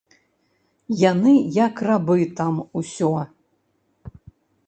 Яны як рабы там усё.